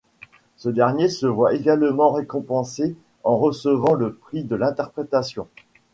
Ce dernier se voit également récompensé en recevant le prix de l’interprétation.